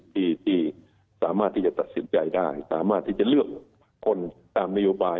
ที่สามารถที่จะตัดสินใจได้สามารถที่จะเลือกคนตามนโยบาย